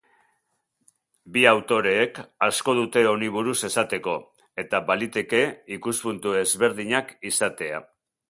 Bi autoreek asko dute honi buruz esateko eta baliteke ikuspuntu ezberdinak izatea.